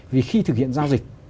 vì khi thực hiện giao dịch